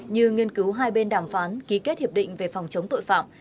như nghiên cứu hai bên đàm phán ký kết hiệp định về phòng chống tội phạm